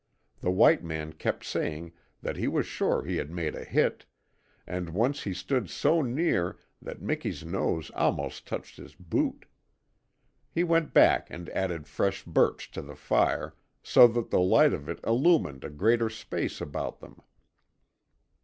The white man kept saying that he was sure he had made a hit, and once he stood so near that Miki's nose almost touched his boot. He went back and added fresh birch to the fire, so that the light of it illumined a greater space about them.